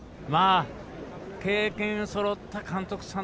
経験がそろった監督さん